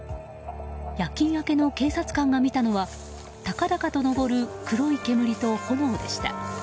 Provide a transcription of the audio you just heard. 夜勤明けの警察官が見たのは高々と上る黒い煙と炎でした。